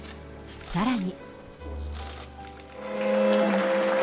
さらに。